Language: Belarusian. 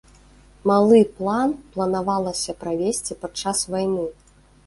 Малы план планавалася правесці падчас вайны.